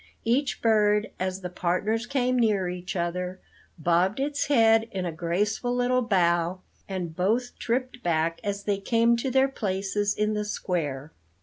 Each bird, as the partners came near each other, bobbed its head in a graceful little bow, and both tripped back as they came to their places in the square.